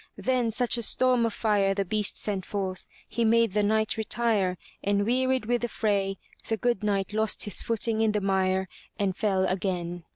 Then such a storm of fire the beast sent forth, he made the Knight retire, and wearied with the fray, the good Knight lost his footing in the mire and fell again.